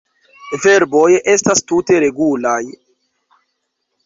Verboj estas tute regulaj.